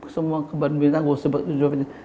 semua kebanyakan gue sebut